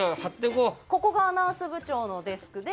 ここがアナウンス部長のデスクで。